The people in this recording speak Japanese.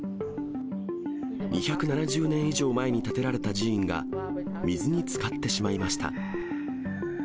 ２７０年以上前に建てられた寺院が水につかってしまいました。